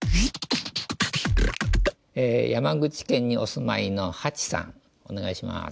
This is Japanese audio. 山口県にお住まいのはちさんお願いします。